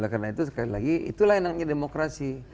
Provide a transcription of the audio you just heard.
nah karena itu sekali lagi itulah yang nangnya demokrasi